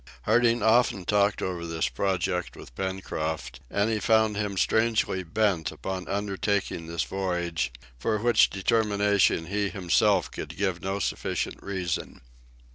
Harding often talked over this project with Pencroft, and he found him strangely bent upon undertaking this voyage, for which determination he himself could give no sufficient reason.